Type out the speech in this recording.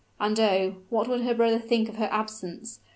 And oh! what would her brother think of her absence?